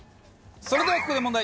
それではここで問題。